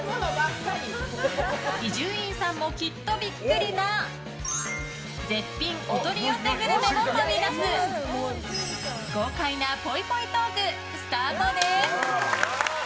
伊集院さんもきっとビックリな絶品お取り寄せグルメも飛び出す豪快なぽいぽいトーク、スタートです！